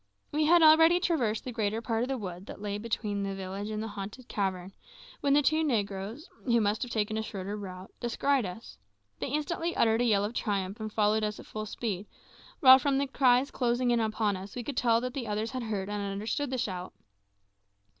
We had already traversed the greater part of the wood that lay between the village and the haunted cavern, when two negroes, who must have taken a shorter route, descried us. They instantly uttered a yell of triumph and followed us at full speed, while from the cries closing in upon us we could tell that the others had heard and understood the shout.